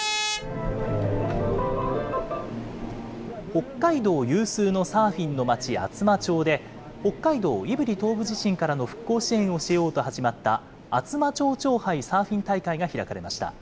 北海道有数のサーフィンの町、厚真町で、北海道胆振東部地震からの復興支援をしようと始まった厚真町長杯サーフィン大会が開かれました。